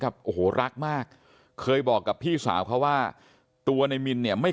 โอ้โหรักมากเคยบอกกับพี่สาวเขาว่าตัวในมินเนี่ยไม่